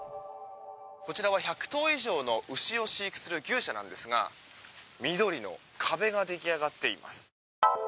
こちらは１００頭以上の牛を飼育する牛舎なんですが緑の壁が出来上がっています。